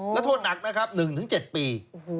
แล้วโทษหนักนะครับ๑๗ปี